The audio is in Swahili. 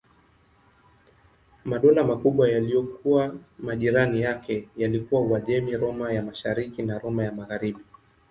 Madola makubwa yaliyokuwa majirani yake yalikuwa Uajemi, Roma ya Mashariki na Roma ya Magharibi.